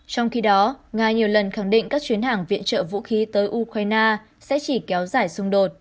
trong khi đó nga nhiều lần khẳng định các chuyến hàng viện trợ vũ khí tới ukraine sẽ chỉ kéo giải xung đột